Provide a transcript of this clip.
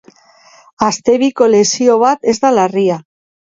Aste biko lesio bat ez da larria.